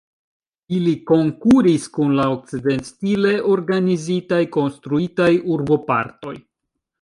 Ili konkuris kun la okcident-stile organizitaj, konstruitaj urbopartoj.